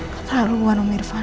katanya lu bukan om irfan